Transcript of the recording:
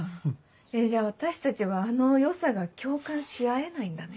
えっじゃあ私たちはあの良さが共感し合えないんだね。